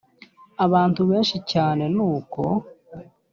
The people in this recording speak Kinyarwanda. abantu benshi cyane nuko